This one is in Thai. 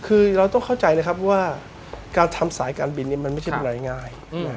คือเราต้องเข้าใจนะครับว่าการทำสายการบินนี้มันไม่ใช่เรื่องง่าย